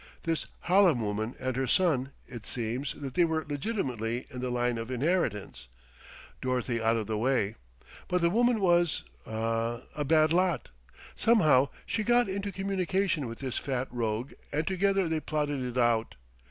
This Hallam woman and her son it seems that they were legitimately in the line of inheritance, Dorothy out of the way. But the woman was ah a bad lot. Somehow she got into communication with this fat rogue and together they plotted it out.